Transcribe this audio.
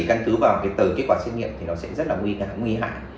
đăng tứ vào cái tờ kết quả xét nghiệm thì nó sẽ rất là nguy hạn